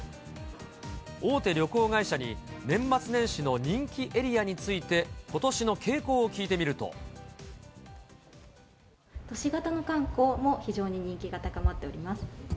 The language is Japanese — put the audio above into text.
大手旅行会社に、年末年始の人気エリアについて、都市型の観光も非常に人気が高まっております。